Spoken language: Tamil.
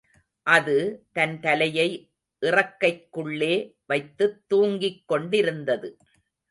அது, தன் தலையை இறக்கைக்குள்ளே வைத்துத் தூங்கிக்கொண்டிருந்தது.